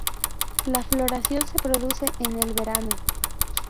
La floración se produce en el verano.